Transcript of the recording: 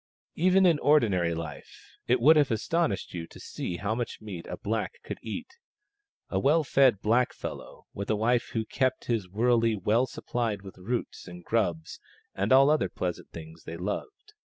Even in ordinary life it would have astonished you to see how much meat a black could eat — a well fed blackfellow, with a wife who kept his wurley well supplied with roots and grubs and all the other pleasant things they loved.